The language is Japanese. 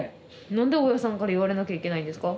何で大家さんから言われなきゃいけないんですか？